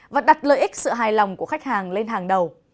và đặt lợi ích sự hài lòng của khách hàng lên hàng đầu